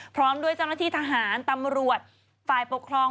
พร้อมด้วยเจ้าหน้าที่ทหารตำรวจฝ่ายปกครอง